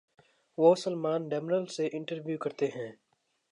وہ سلمان ڈیمرل سے انٹرویو کرتے ہیں۔